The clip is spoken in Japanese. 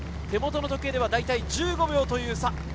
手元の時計では１５秒という差。